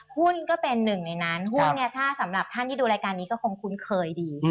หุ้นก็เป็นหนึ่งในนั้นหุ้นเนี่ยถ้าสำหรับท่านที่ดูรายการนี้ก็คงคุ้นเคยดี